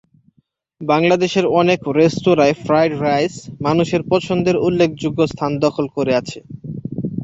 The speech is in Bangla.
বাংলাদেশের অনেক রেস্তোরায় ফ্রাইড রাইস মানুষের পছন্দের উল্লেখযোগ্য স্থান দখল করে আছে।